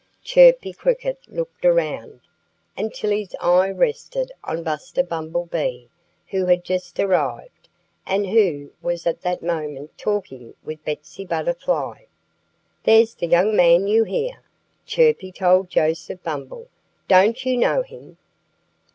Chirpy Cricket looked around, until his eye rested on Buster Bumblebee, who had just arrived and who was at that moment talking with Betsy Butterfly. "There's the young man you hear!" Chirpy told Joseph Bumble. "Don't you know him?"